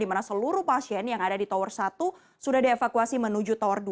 di mana seluruh pasien yang ada di tower satu sudah dievakuasi menuju tower dua